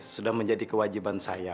sudah menjadi kewajiban saya